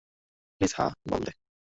Please হ্যাঁ বল দে!